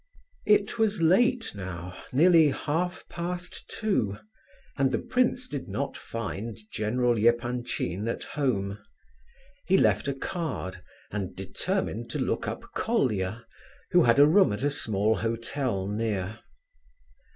It was late now, nearly half past two, and the prince did not find General Epanchin at home. He left a card, and determined to look up Colia, who had a room at a small hotel near.